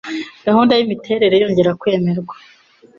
gahunda yimiterere yongera kwemerwa